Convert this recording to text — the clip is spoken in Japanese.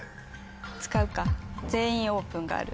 使うか「全員オープン」がある。